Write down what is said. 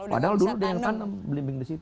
padahal dulu dia yang tanam belimbing di situ